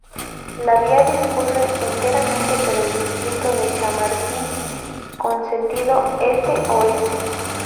La vía discurre enteramente por el distrito de Chamartín con sentido este-oeste.